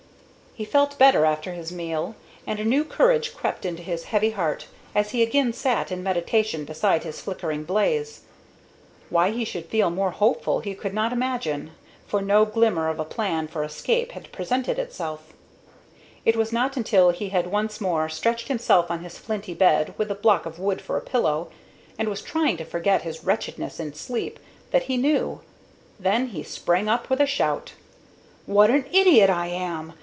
He felt better after his meal, and a new courage crept into his heavy heart as he again sat in meditation beside his flickering blaze. Why he should feel more hopeful he could not imagine, for no glimmer of a plan for escape had presented itself. It was not until he had once more stretched himself on his flinty bed, with a block of wood for a pillow, and was trying to forget his wretchedness in sleep, that he knew. Then he sprang up with a shout. "What an idiot I am!